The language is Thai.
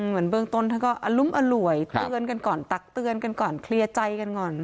เหมือนเบื้องต้นท่านก็อรุ้มอร่วยเตือนกันก่อนตักเตือนกันก่อนเคลียร์ใจกันก่อน